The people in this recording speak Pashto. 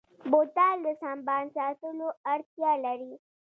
بوتل د سنبال ساتلو اړتیا لري.